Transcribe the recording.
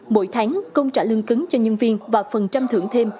mỗi tháng công trả lương cứng cho nhân viên và phần trăm thưởng thêm